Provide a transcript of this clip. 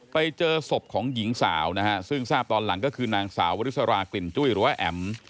ไปเจอศพของหญิงสาวนะฮะซึ่งทราบตอนหลังก็คือนางสาววริสรากลิ่นจุ้ยหรือว่าแอ๋ม